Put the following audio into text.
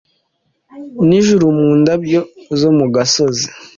n'ijuru mu ndabyo zo mu gasozi,